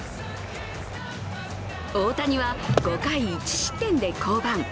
大谷は５回１失点で降板。